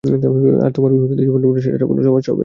আর তোমার বিবাহিত জীবনের প্রশ্নে, সেটারও কোনো সমস্যা হবে না।